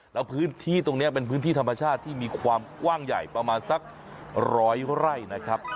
แล้วพื้นที่ตรงนี้เป็นพื้นที่ธรรมชาติที่มีความกว้างใหญ่ประมาณสักร้อยไร่นะครับ